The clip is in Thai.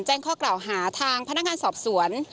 แจ้งข้อกล่าวหาทางพนักงานสอบสวน